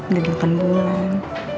di dua puluh delapan bulan